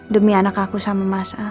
demi anak aku sama mas